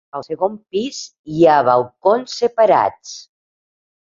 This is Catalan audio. Al segon pis hi ha balcons separats.